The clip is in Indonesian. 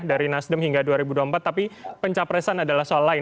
dari nasdem hingga dua ribu dua puluh empat tapi pencapresan adalah soal lain